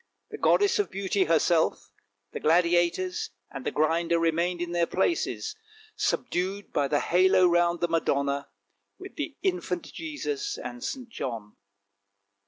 The goddess of beauty her self, the Gladiators, and the Grinder remained in their places, subdued by the halo round the Madonna, with the infant Jesus and St. John.